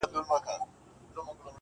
o زما شاعري وخوړه زې وخوړم.